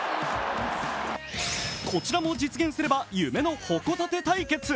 こちらも実現すれば夢のホコタテ対決。